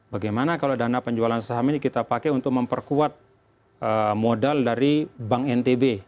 bagaimana kalau dana penjualan saham ini kita pakai untuk memperkuat modal dari bank ntb